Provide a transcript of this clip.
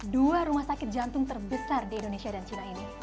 dua rumah sakit jantung terbesar di indonesia dan cina ini